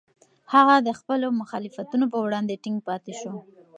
هغه د خپلو مخالفتونو په وړاندې ټینګ پاتې شو.